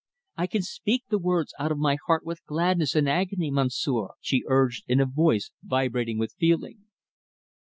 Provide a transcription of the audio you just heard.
I can speak the words out of my heart with gladness and agony, Monsieur," she urged, in a voice vibrating with feeling.